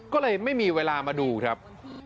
ก็เลยไม่มีเวลามาดูครับ